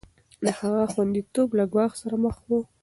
د هغه خونديتوب له ګواښ سره مخ و.